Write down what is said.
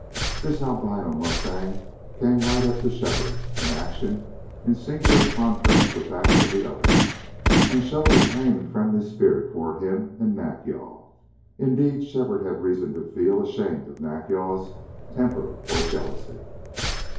This albino mustang came right up to Shefford, an action in singular contrast with that of the others, and showed a tame and friendly spirit toward him and Nack yal. Indeed, Shefford had reason to feel ashamed of Nack yal's temper or jealousy.